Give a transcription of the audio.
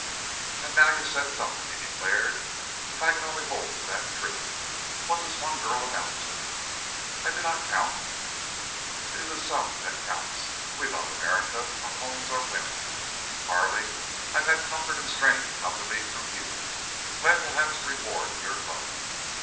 "Ah! now you've said something," he declared. "If I can only hold to that truth! What does one girl amount to? I do not count. It is the sum that counts. We love America—our homes—our women!... Carley, I've had comfort and strength come to me through you. Glenn will have his reward in your love.